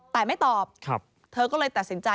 แต่ไม่ตอบเธอก็เลยตัดสินใจ